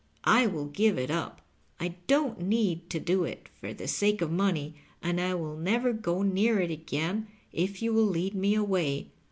I will give it up. I don't need to do it for the sake of money, and I will never go near it again if you will lead me away.